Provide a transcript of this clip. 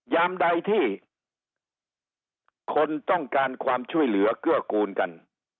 ยามใดที่คนต้องการความช่วยเหลือเกื้อกูลกัน